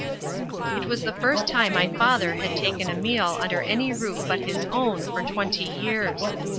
It was the first time my father had taken a meal under any roof but his own for twenty years.